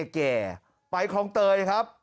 แก่ไปคลองเตยครับ